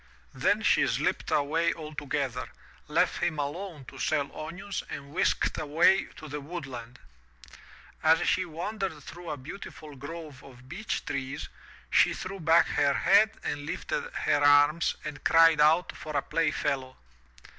Then she slipped away altogether, left him alone to sell onions and whisked away to the woodland. As she wandered through a beautiful grove of beech trees, she threw back her head and lifted her arms and cried out for a play fellow.